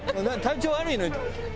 体調悪いの？」。